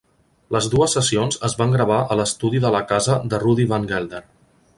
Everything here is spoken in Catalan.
Les dues sessions es van gravar a l"estudi de la casa de Rudy Van Gelder.